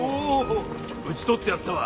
討ち取ってやったわ。